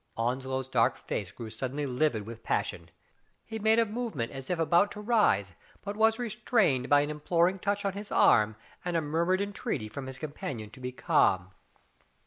Onslow's dark face grew suddenly livid with passion. He made a movement as if about to rise, but was restrained by an imploring touch on his arm, and a murmured entreaty from his com panion to be calm.